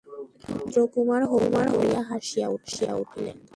ইন্দ্রকুমার হো হো করিয়া হাসিয়া উঠিলেন।